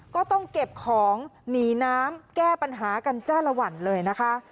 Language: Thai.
ก็ต้องเก็บของหนีน้ำแก้ปัญหากันจ้าละวันเลยนะคะ